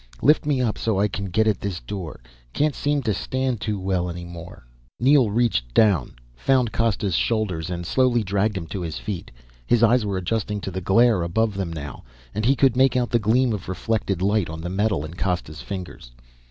"Lift me up so I can get at this door. Can't seem to stand too well any more." Neel reached down, found Costa's shoulders and slowly dragged him to his feet. His eyes were adjusting to the glare above them now, and he could make out the gleam of reflected light on the metal in Costa's fingers.